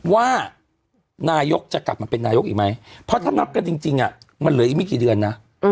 ว่านายกจะกลับมาเป็นนายกอีกไหมเพราะถ้านับกันจริงมันเหลืออีกไม่กี่เดือนนะ